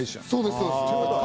そうです。